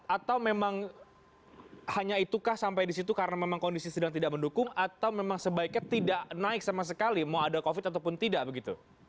atau memang hanya itukah sampai di situ karena memang kondisi sedang tidak mendukung atau memang sebaiknya tidak naik sama sekali mau ada covid ataupun tidak begitu